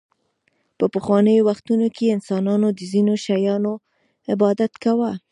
په پخوانیو وختونو کې انسانانو د ځینو شیانو عبادت کاوه